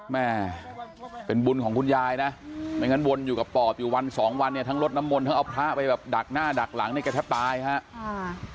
แม่เป็นบุญของคุณยายนะไม่งั้นวนอยู่กับปอบอยู่วันสองวันเนี่ยทั้งรถน้ำมนต์ทั้งเอาพระไปแบบดักหน้าดักหลังเนี่ยแกแทบตายครับ